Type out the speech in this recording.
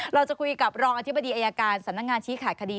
เราจะคุยกับรองอธิบดีอายการสำนักงานชี้ขาดคดี